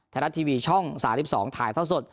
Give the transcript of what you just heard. ไทยรัฐทีวีช่อง๓๒ถ่ายเท่าสด